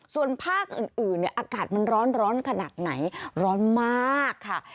ส่วนภาคอื่นอากาศมันร้อนขนาดไหนร้อนมากค่ะ